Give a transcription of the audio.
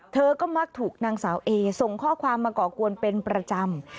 เธอก็มักถูกนางสาวเอส่งข้อความมาก่อกวนเป็นประจำ